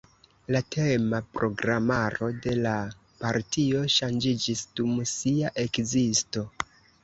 La tema programaro de la partio ŝanĝiĝis dum sia ekzisto.